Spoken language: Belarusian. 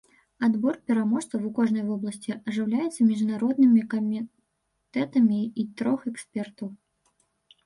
Адбор пераможцаў у кожнай вобласці ажыццяўляецца міжнароднымі камітэтамі з трох экспертаў.